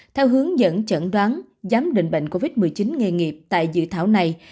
theo hướng dẫn chẩn đoán giám định bệnh covid một mươi chín nghề nghiệp tại dự thảo này